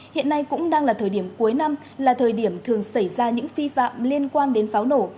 hiện nay cũng đang là thời điểm cuối năm là thời điểm thường xảy ra những phi phạm liên quan đến pháo nổ